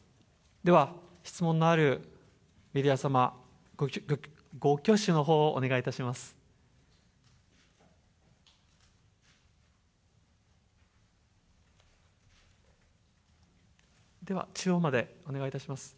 では、質問のあるメディア様、ご挙手のほうをお願いいたします。